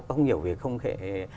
không hiểu về công nghệ